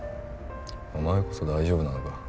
お前こそ大丈夫なのか？